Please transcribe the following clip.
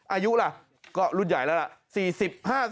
อายุล่ะก็รุ่นใหญ่แล้วล่ะ